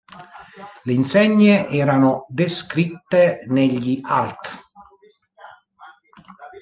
Le insegne erano descritte negli artt.